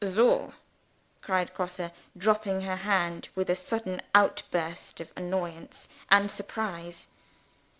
"Soh!" cried Grosse, dropping her hand with a sudden outbreak of annoyance and surprise.